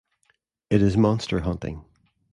It is monster hunting.